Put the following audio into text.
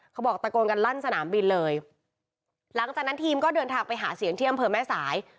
เขาบอกตะโกนกันลั่นสนามบินเลยหลังจากนั้นทีมก็เดินทางไปหาเสียงที่อำเภอแม่สาย